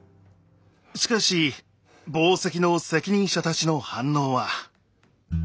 しかし紡績の責任者たちの反応は。